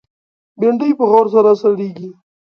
بېنډۍ په غوړ کې سرېږي